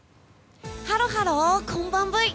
ハロハロこんばんブイ！